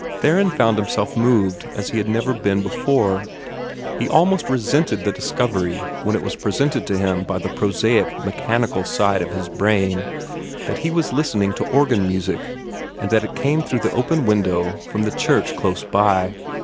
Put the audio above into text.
Theron found himself moved as he had never been before. He almost resented the discovery, when it was presented to him by the prosaic, mechanical side of his brain, that he was listening to organ music, and that it came through the open window from the church close by.